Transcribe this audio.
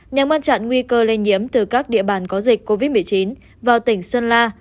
nhằm ngăn chặn nguy cơ lây nhiễm từ các địa bàn có dịch covid một mươi chín vào tỉnh sơn la